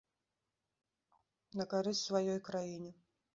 На карысць сваёй краіне.